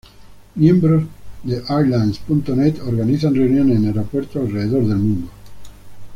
Miembros de Airliners.net organizan reuniones en aeropuertos alrededor del mundo.